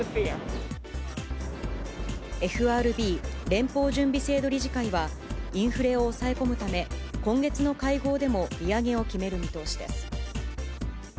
ＦＲＢ・連邦準備制度理事会は、インフレを抑え込むため、今月の会合でも利上げを決める見通しです。